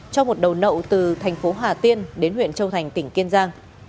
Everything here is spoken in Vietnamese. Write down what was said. cho một đầu nậu từ thành phố hà tiên đến huyện châu thành tỉnh kiên giang